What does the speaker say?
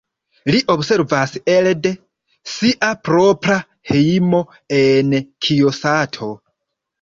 Li observas elde sia propra hejmo en Kijosato.